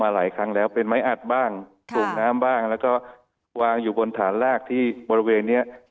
หลายครั้งแล้วเป็นไม้อัดบ้างถุงน้ำบ้างแล้วก็วางอยู่บนฐานลากที่บริเวณเนี้ย